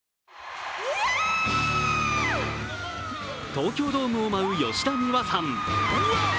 東京ドームを舞う吉田美和さん。